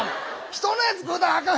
人のやつ食うたらあかん！